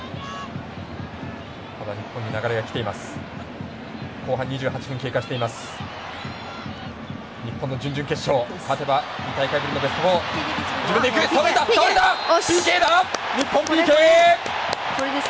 ただ日本に流れがきています。